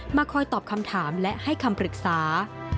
คอยตอบคำถามและให้คำปรึกษา